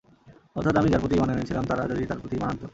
অর্থাৎ আমি যার প্রতি ঈমান এনেছিলাম, তারা যদি তাঁর প্রতি ঈমান আনত।